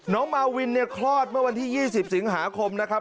มาวินเนี่ยคลอดเมื่อวันที่๒๐สิงหาคมนะครับ